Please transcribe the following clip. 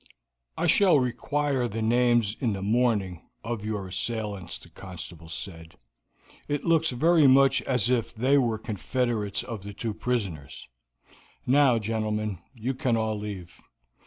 "I shall require the names in the morning of your assailants," the constable said; "it looks very much as if they were confederates of the two prisoners. Now, gentlemen, you can all leave.